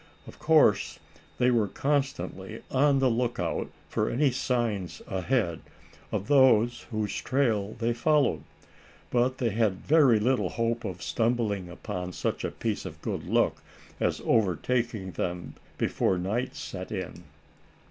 Of course they were constantly on the lookout for any signs ahead of those whose trail they followed. But they had very little hope of stumbling upon such a piece of good luck as overtaking them before night set in.